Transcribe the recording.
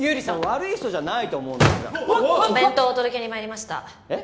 悪い人じゃないと思うんですがお弁当をお届けにまいりましたえ？